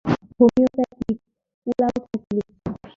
‘’homeopathic ওলাওঠা চিকিৎসা’’